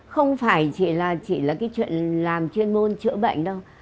không phải chỉ là cái chuyện làm chuyên môn chữa bệnh đâu